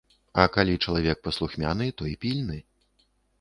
А калі чалавек паслухмяны, то і пільны.